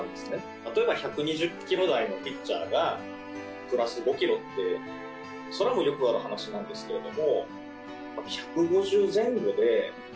例えば１２０キロ台のピッチャーがプラス５キロって、それはよくある話なんですけども。